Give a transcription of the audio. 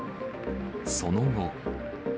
その後。